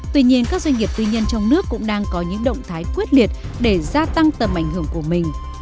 tuy nhiên các doanh nghiệp tư nhân trong nước cũng đang có những động thái quyết liệt để gia tăng tầm ảnh hưởng của mình